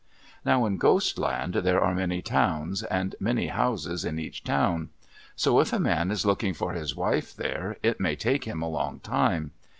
Now in Ghost Land there are many towns, and many houses in each town. So if a man is looking for his wife there, it may take him a long time.